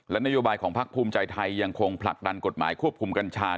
นโยบายของพักภูมิใจไทยยังคงผลักดันกฎหมายควบคุมกัญชา